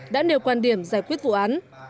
đã nêu quan điểm giải quyết vụ án